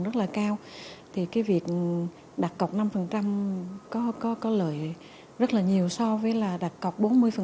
rất là cao thì cái việc đặt cọc năm có lợi rất là nhiều so với là đặt cọc bốn mươi